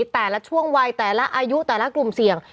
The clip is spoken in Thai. แต่ละช่วงวัยแต่ละอายุแต่ละกลุ่มเสี่ยง